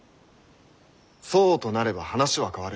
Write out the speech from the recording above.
そうとなれば話は変わる。